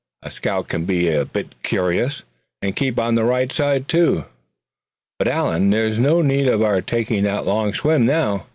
A scout can be a bit curious, and keep on the right side, too. But Allan, there's no need of our taking that long swim, now."